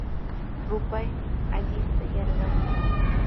Rupaymi allaqlla yarqamun.